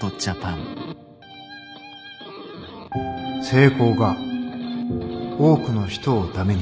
成功が多くの人を駄目にした。